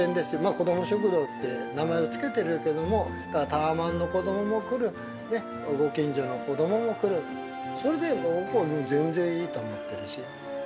こども食堂って名前を付けてるけれども、タワマンの子どもも来る、ご近所の子どもも来る、それで僕はもう全然いいと思ってるし。